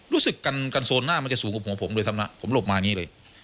รู้สึกกันโซนหน้ามันจะสูงกว่าหัวผมด้วยซ้ำนะผมหลบมาอย่างนี้เลย